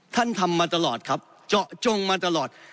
ท่านทำมาตลอดครับเจาะจงมาตลอด